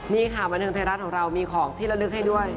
นี่ค่ะบันทึงเทราะห์ของเรามีของที่เราลึกให้ด้วย